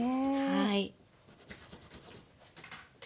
はい。